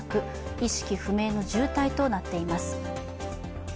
意識不明の重体となっています。